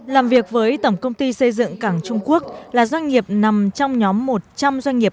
làm việc với tổng công ty xây dựng cảng trung quốc là doanh nghiệp nằm trong nhóm một trăm linh doanh nghiệp